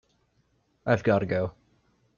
I've got to go.